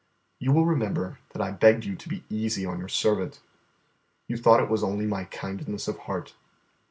You will remember that I begged you to be easy on your servant. You thought it was only my kindness of heart.